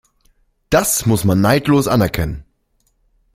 Das muss man neidlos anerkennen.